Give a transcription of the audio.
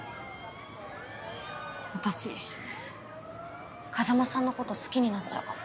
私風真さんのこと好きになっちゃうかも。